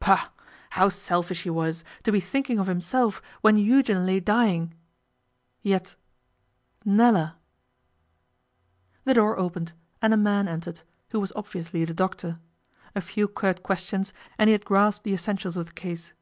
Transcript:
Pah! How selfish he was, to be thinking of himself when Eugen lay dying. Yet Nella! The door opened, and a man entered, who was obviously the doctor. A few curt questions, and he had grasped the essentials of the case.